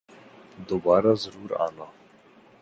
دوبارہ ضرور آنا